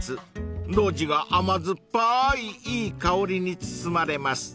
［路地が甘酸っぱいいい香りに包まれます］